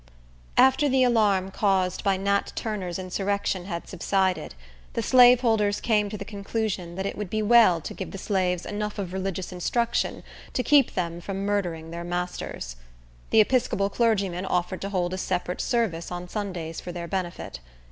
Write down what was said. After the alarm caused by Nat Turner's insurrection had subsided, the slaveholders came to the conclusion that it would be well to give the slaves enough of religious instruction to keep them from murdering their masters. The Episcopal clergyman offered to hold a separate service on Sundays for their benefit.